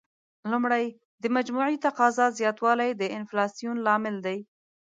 لومړی: د مجموعي تقاضا زیاتوالی د انفلاسیون لامل دی.